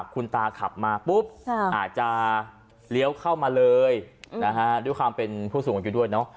คุณตาขับมาปุ๊บอาจจะเลี้ยวเข้ามาเลยด้วยความเป็นผู้สูงอายุด้วยเนอะ